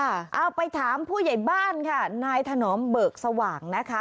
เอาไปถามผู้ใหญ่บ้านค่ะนายถนอมเบิกสว่างนะคะ